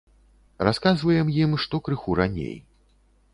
Расказваем ім, што крыху раней.